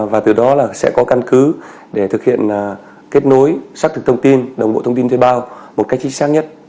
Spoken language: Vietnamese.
và từ đó là sẽ có căn cứ để thực hiện kết nối xác thực thông tin đồng bộ thông tin thuê bao một cách chính xác nhất